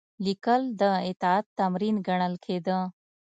لیکل د اطاعت تمرین ګڼل کېده.